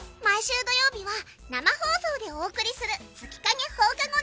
「毎週土曜日は生放送でお送りする月影放課